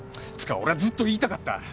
つうか俺はずっと言いたかった。